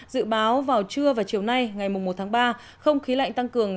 dự báo vào trưa và chiều nay ngày một tháng ba không khí lạnh tăng cường